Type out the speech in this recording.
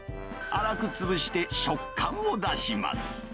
粗く潰して、食感を出します。